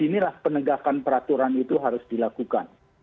inilah penegakan peraturan itu harus dilakukan